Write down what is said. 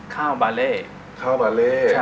ข้าวบาเล่ข้าวบาเล่